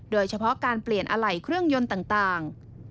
โดยเฉพาะการเปลี่ยนอะไหล่เครื่องยนต์ต่าง